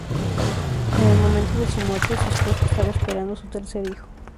En el momento de su muerte su esposa estaba esperando su tercer hijo.